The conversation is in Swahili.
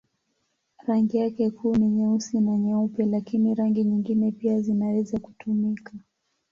Rangi yake kuu ni nyeusi na nyeupe, lakini rangi nyingine pia zinaweza kutumika.